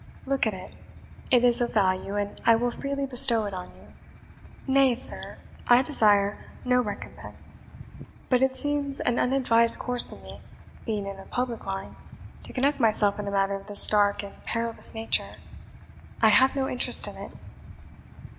Look at it; it is of value, and I will freely bestow it on you." "Nay, sir," said the landlord, "I desire no recompense but it seems an unadvised course in me, being in a public line, to connect myself in a matter of this dark and perilous nature. I have no interest in it."